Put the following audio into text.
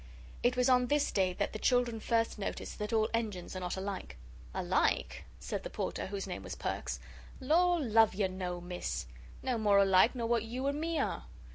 It was on this day that the children first noticed that all engines are not alike. "Alike?" said the Porter, whose name was Perks, "lor, love you, no, Miss. No more alike nor what you an' me are.